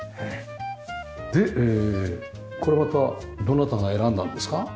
でこれまたどなたが選んだんですか？